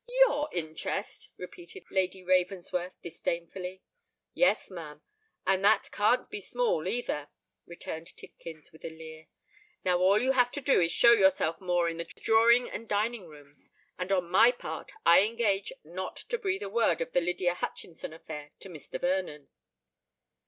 "Your interest!" repeated Lady Ravensworth, disdainfully. "Yes, ma'am—and that can't be small either," returned Tidkins, with a leer. "Now all you have to do is to show yourself more in the drawing and dining rooms—and on my part I engage not to breathe a word of the Lydia Hutchinson affair to Mr. Vernon."